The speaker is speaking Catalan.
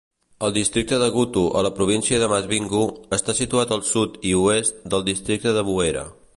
El districte de Gutu a la província de Masvingo està situat al sud i oest del districte de Buhera.